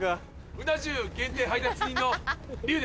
うな重限定配達員の。